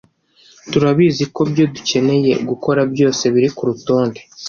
Turabizi ko ibyo dukeneye gukora byose biri kurutonde